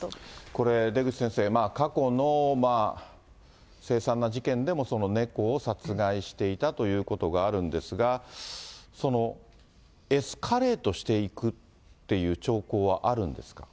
これ、出口先生、過去の凄惨な事件でも、その猫を殺害していたということがあるんですが、エスカレートしていくっていう兆候